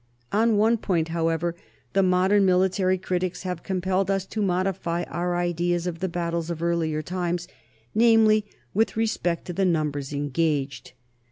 On one point, however, the modern mili tary critics have compelled us to modify our ideas of the battles of earlier times, namely, with respect to the numbers engaged.